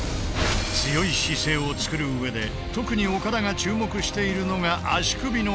強い姿勢を作る上で特に岡田が注目しているのが足首の角度。